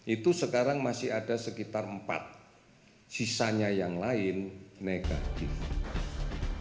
itu sekarang masih ada sekitar empat sisanya yang lain negatif